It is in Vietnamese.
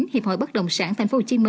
hiệp hội bất động sản tp hcm